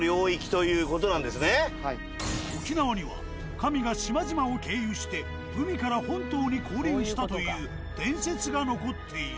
沖縄には神が島々を経由して海から本島に降臨したという伝説が残っている。